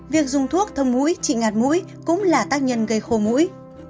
việc dùng thuốc thông mũi trị ngạt mũi cũng là tác nhân gây khô mũi